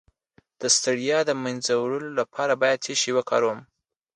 د ستړیا د مینځلو لپاره باید څه شی وکاروم؟